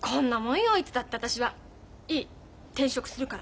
いい転職するから。